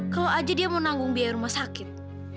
kalau aja dia mau nanggung biaya rumah sakit